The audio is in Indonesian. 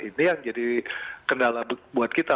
ini yang jadi kendala buat kita